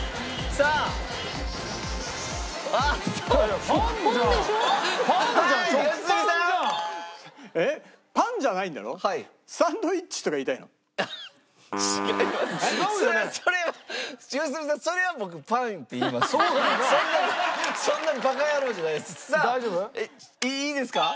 さあいいですか？